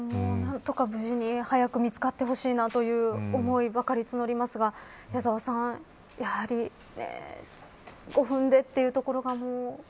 何とか無事に早く見つかってほしいなという思いばかり募りますが矢沢さん、やはりそうですね。